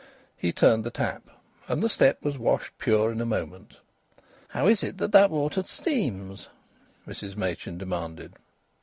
He turned the tap, and the step was washed pure in a moment. "How is it that that water steams?" Mrs Machin demanded.